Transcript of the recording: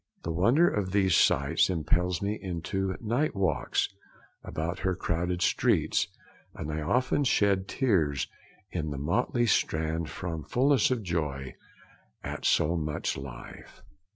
The wonder of these sights impels me into night walks about her crowded streets, and I often shed tears in the motley Strand from fulness of joy at so much life.'